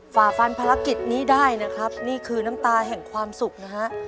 ฝ่าฟันภารกิจนี้ได้นะครับนี่คือน้ำตาแห่งความสุขนะฮะ